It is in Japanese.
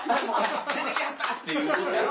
出てきはったっていうことやろ。